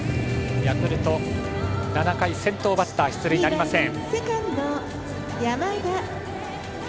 ヤクルト７回先頭バッター出塁なりません。